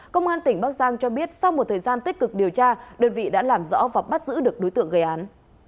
công an tỉnh bắc giang cho biết sau một thời gian tích cực điều tra đơn vị đã làm rõ và bắt giữ được đối tượng gây án